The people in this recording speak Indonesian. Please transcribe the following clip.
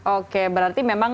oke berarti memang berarti